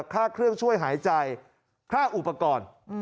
ค่าเครื่องช่วยหายใจค่าอุปกรณ์